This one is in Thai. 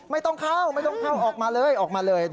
ไม่ต้องเข้าออกมาเลย